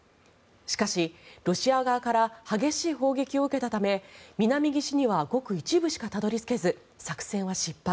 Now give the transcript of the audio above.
しかし、ロシア側から激しい砲撃を受けたため南岸にはごく一部しかたどり着けず作戦は失敗。